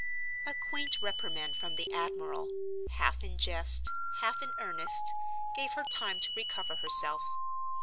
A quaint reprimand from the admiral, half in jest, half in earnest, gave her time to recover herself.